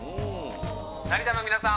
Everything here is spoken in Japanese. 成田の皆さん